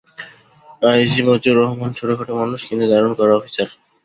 I G Motiur Rahman ছোটখাটো মানুষ, কিন্তু দারুণ কড়া অফিসার।